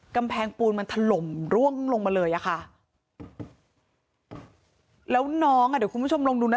กำแพงปูนมันถล่มร่วงลงมาเลยอ่ะค่ะแล้วน้องอ่ะเดี๋ยวคุณผู้ชมลองดูนะ